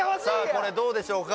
これどうでしょうか？